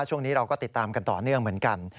ช่วงนี้เราก็ติดตามกันต่อเนื่องเหมือนกัน